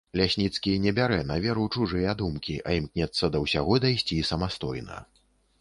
Лясніцкі не бярэ на веру чужыя думкі, а імкнецца да ўсяго дайсці самастойна.